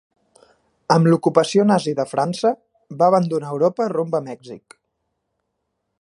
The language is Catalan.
Amb l'ocupació nazi de França va abandonar Europa rumb a Mèxic.